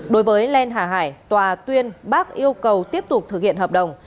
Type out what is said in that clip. đối với len hải hà tòa tuyên bác yêu cầu tiếp tục thực hiện hợp đồng